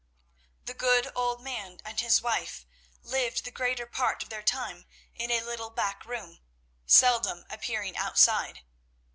The good old man and his wife lived the greater part of their time in a little back room, seldom appearing outside.